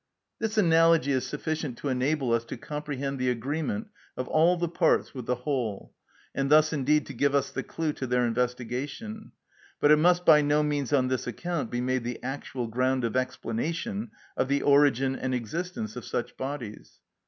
This analogy is sufficient to enable us to comprehend the agreement of all the parts with the whole, and thus indeed to give us the clue to their investigation; but it must by no means on this account be made the actual ground of explanation of the origin and existence of such bodies.